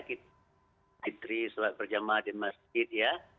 kita menteri sobat perjamaat di masjid ya